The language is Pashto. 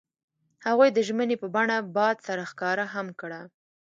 هغوی د ژمنې په بڼه باد سره ښکاره هم کړه.